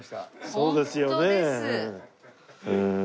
そうですよねうん。